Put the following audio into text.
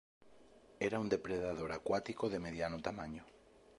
Era un depredador acuático de mediano tamaño.